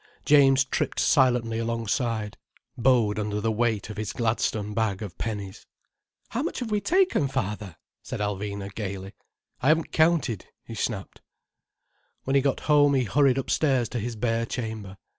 James tripped silently alongside, bowed under the weight of his Gladstone bag of pennies. "How much have we taken, father?" asked Alvina gaily. "I haven't counted," he snapped. When he got home he hurried upstairs to his bare chamber.